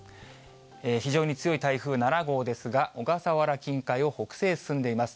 非常に強い台風７号ですが、小笠原近海を北西へ進んでいます。